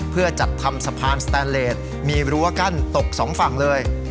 เพื่อจัดทำธนาคารสันแรคมีรั้วกรรมตกสองฝั่งเลย